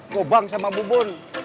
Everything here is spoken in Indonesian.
kobang sama bubun